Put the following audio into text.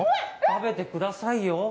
食べてくださいよ。